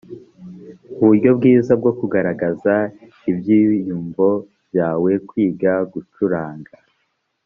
uburyo bwiza bwo kugaragaza ibyiyumvo byawe kwiga gucuranga